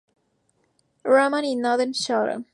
Rahman y Nadeem-Shravan.